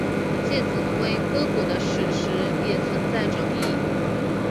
介子推割股的史实也存在争议。